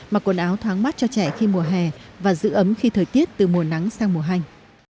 mặc quần áo thoáng mát cho trẻ khi mùa hè và giữ ấm khi thời tiết từ mùa nắng sang mùa hành